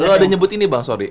kalau ada nyebut ini bang sorry